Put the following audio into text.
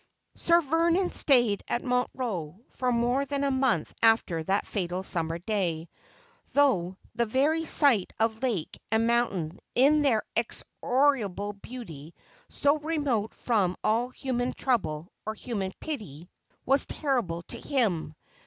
Sir Vernon stayed at Montreux for more than a month after that fatal summer day, though the very sight of lake and moun tain in their inexorable beauty, so remote from all human trouble or human pity, was terrible to him.